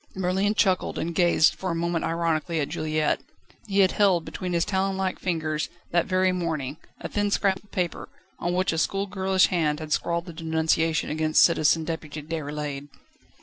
Merlin chuckled, and gazed for a moment ironically at Juliette. He had held, between his talon like fingers, that very morning, a thin scrap of paper, on which a schoolgirlish hand had scrawled the denunciation against Citizen Deputy Déroulède.